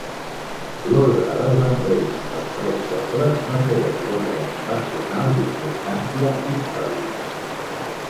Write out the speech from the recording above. L'ordre dels emblemes dels tres pobles no segueix l'ordre convencional d'importància històrica.